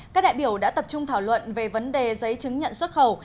các đại biểu đã tập trung thảo luận về vấn đề giấy chứng nhận xuất khẩu